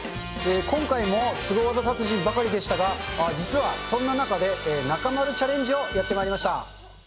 今回もすご技達人ばかりでしたが、実はそんな中で、中丸チャレンジをやってまいりました。